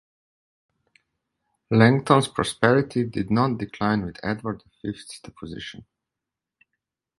Langton's prosperity did not decline with Edward the Fifth's deposition.